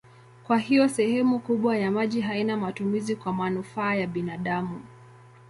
Kwa hiyo sehemu kubwa ya maji haina matumizi kwa manufaa ya binadamu.